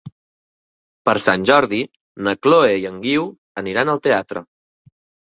Per Sant Jordi na Chloé i en Guiu aniran al teatre.